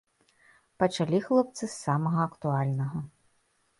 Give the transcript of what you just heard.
Пачалі хлопцы з самага актуальнага.